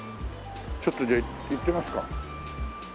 ちょっとじゃあ行ってみますか。